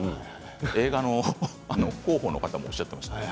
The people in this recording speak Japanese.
映画の広報の方もおっしゃっていました。